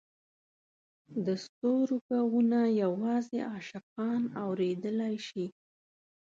د ستورو ږغونه یوازې عاشقان اورېدلای شي.